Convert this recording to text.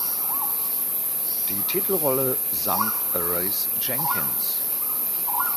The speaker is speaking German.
Die Titelrolle sang Rhys Jenkins.